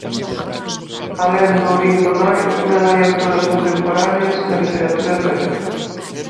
Alén do olimpo noir, tamén hai autoras contemporáneas na literatura en galego.